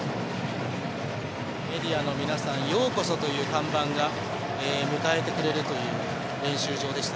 「メディアの皆さんようこそ」という看板が迎えてくれるという練習場でした。